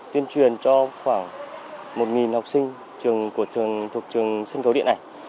tuyên truyền cho khoảng một học sinh thuộc trường sinh cầu điện ảnh